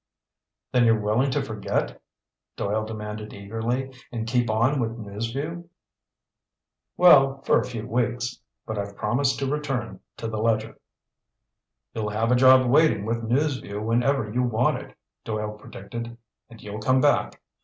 "Then you're willing to forget?" Doyle demanded eagerly. "And keep on with News Vue?" "Well, for a few weeks. But I've promised to return to the Ledger." "You'll have a job waiting with News Vue whenever you want it," Doyle predicted. "And you'll come back.